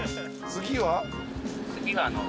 次は。